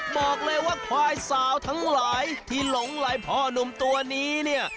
บอกเลยว่าควายสาวทั้งหลายที่หลงไหลพ่อนุ่มตัวนี้เนี่ย